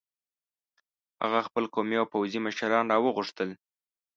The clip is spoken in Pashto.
هغه خپل قومي او پوځي مشران را وغوښتل.